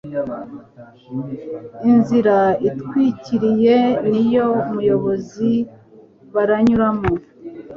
Inzira itwikiriwe niyo abayobozi baranyuramo